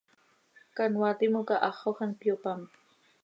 Canoaa timoca haxoj hant cöyopám.